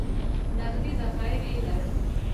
نغدي ذخایر یې لرل.